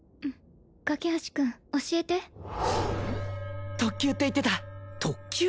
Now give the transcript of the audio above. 架橋君教えて特級って言ってた特級！？